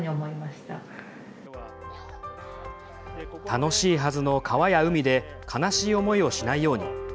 楽しいはずの川や海で悲しい思いをしないように。